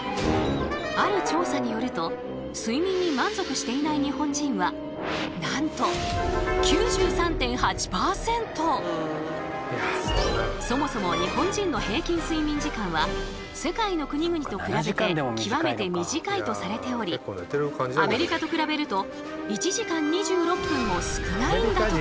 ある調査によるとそもそも日本人の平均睡眠時間は世界の国々と比べて極めて短いとされておりアメリカと比べると１時間２６分も少ないんだとか。